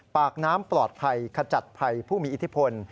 ปากน้ำปลอดภัยขจัดภัยผู้มีอิทธิพล